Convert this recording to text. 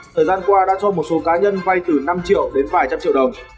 thời gian qua đã cho một số cá nhân vay từ năm triệu đến vài trăm triệu đồng